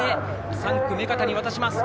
３区、目片に渡します。